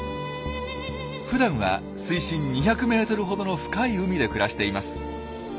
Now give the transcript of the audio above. ふだんは水深２００ｍほどの深い海で暮らしています。